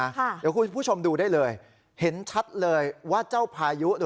เดี๋ยวคุณผู้ชมดูได้เลยเห็นชัดเลยว่าเจ้าพายุ